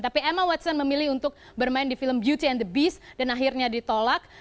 tapi emma wetson memilih untuk bermain di film beauty and the beast dan akhirnya ditolak